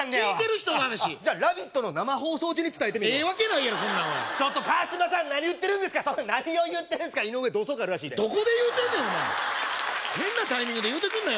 人の話じゃ「ラヴィット！」の生放送中に伝えてみるわええわけないやろそんなん川島さん何言ってるんですか何を言ってんすか井上同窓会あるらしいでどこで言うてんねんお前変なタイミングで言うてくんなよ